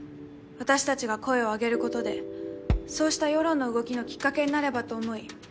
私たちが声を挙げることでそうした世論の動きのきっかけになればと思い